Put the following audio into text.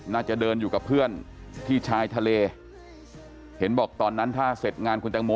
น่าจะเดินอยู่กับเพื่อนที่ชายทะเลเห็นบอกตอนนั้นถ้าเสร็จงานคุณตังโม